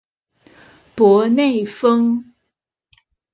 博内丰。